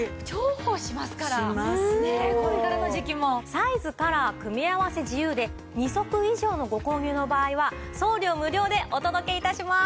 サイズカラー組み合わせ自由で２足以上のご購入の場合は送料無料でお届け致します。